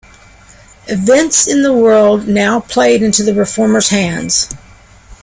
Events in the world now played into the reformers' hands.